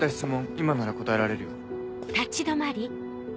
今なら答えられるよ。